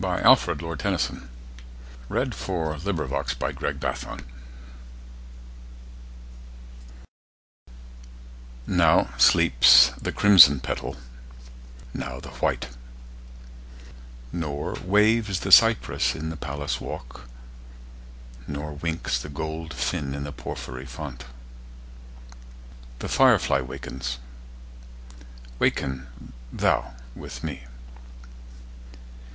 Alfred, Lord Tennyson 629. Now Sleeps the Crimson Petal NOW sleeps the crimson petal, now the white; Nor waves the cypress in the palace walk; Nor winks the gold fin in the porphyry font:The fire fly wakens: waken thou with me.